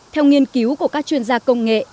theo nghiên cứu của các chuyên gia công nghệ